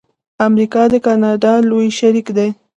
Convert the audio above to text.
امریکا د کاناډا لوی شریک دی.